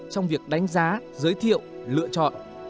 trong việc đánh giá giới thiệu lựa chọn